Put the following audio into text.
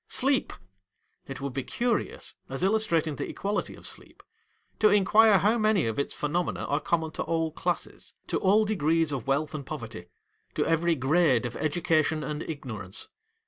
Sleep. It would be curious, as illustrating the equality of sleep, to inquire how many of its phenomena are common to all classes, to all degrees of wealth and poverty, to every grade of education and ignorance.